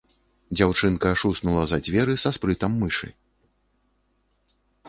Дзяўчынка шуснула за дзверы са спрытам мышы.